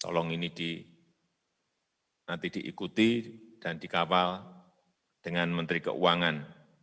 tolong ini nanti diikuti dan dikawal dengan menteri keuangan